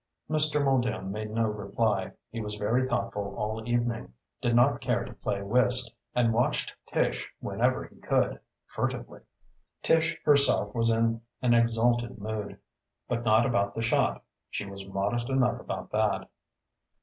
Mr. Muldoon made no reply. He was very thoughtful all evening, did not care to play whist, and watched Tish whenever he could, furtively. Tish herself was in an exalted mood, but not about the shot she was modest enough about that.